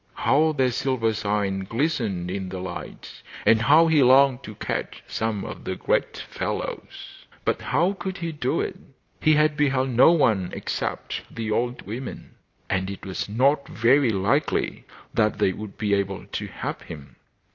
How their silver sides glistened in the light, and how he longed to catch some of the great fellows! But how could he do it? He had beheld no one except the old women, and it was not very likely that they would be able to help him.